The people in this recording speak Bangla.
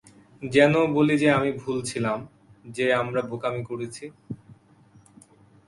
যেন বলি যে আমি ভুল ছিলাম, যে আমরা বোকামি করেছি।